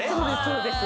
そうです